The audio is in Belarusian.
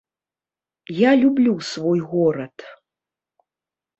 Я люблю свой горад.